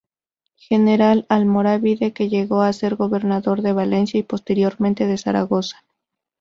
General almorávide que llegó a ser gobernador de Valencia y posteriormente de Zaragoza.